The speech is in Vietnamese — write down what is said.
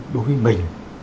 đối với mình